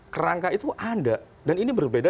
kerangka itu ada dan ini berbeda